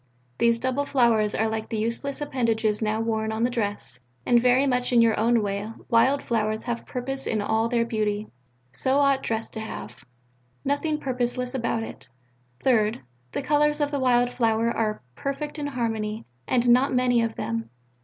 These double flowers are like the useless appendages now worn on the dress, and very much in your way. Wild flowers have purpose in all their beauty. So ought dress to have; nothing purposeless about it. Third: the colours of the wild flower are perfect in harmony, and not many of them.